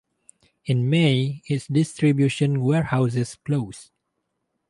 In May, its distribution warehouses closed.